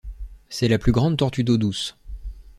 C'est la plus grande tortue d'eau douce.